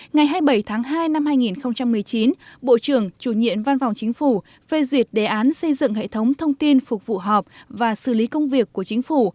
ngày hai mươi bảy tháng hai năm hai nghìn một mươi chín bộ trưởng chủ nhiệm văn phòng chính phủ phê duyệt đề án xây dựng hệ thống thông tin phục vụ họp và xử lý công việc của chính phủ